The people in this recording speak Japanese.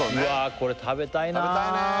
これ食べたいな食べたいね